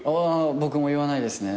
僕も言わないですね。